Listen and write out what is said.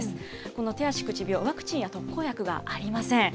この手足口病、ワクチンや特効薬がありません。